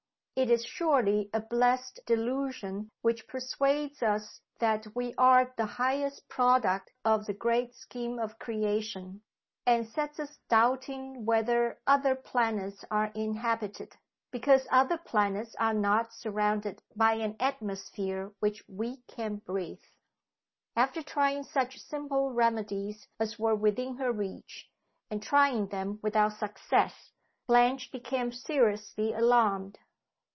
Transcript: It is surely a blessed delusion which persuades us that we are the highest product of the great scheme of creation, and sets us doubting whether other planets are inhabited, because other planets are not surrounded by an atmosphere which we can breathe! After trying such simple remedies as were within her reach, and trying them without success, Blanche became seriously alarmed.